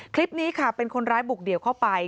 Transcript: คลิปนี้ค่ะเป็นคนร้ายบุกเดี่ยวเข้าไป